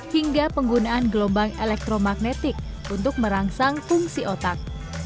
hingga penggunaan gelombang elektromagnetik untuk merangsang fungsi otak